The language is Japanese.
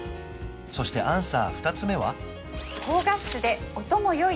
そしてアンサー二つ目は？